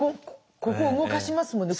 ここ動かしますもんね。